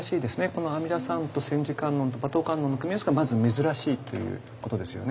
この阿弥陀さんと千手観音と馬頭観音の組み合わせがまず珍しいということですよね。